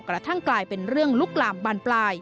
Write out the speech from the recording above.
กระทั่งกลายเป็นเรื่องลุกลามบานปลาย